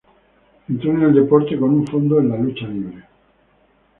Entró en el deporte con un fondo en la lucha libre.